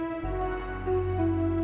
entin teh jangan mau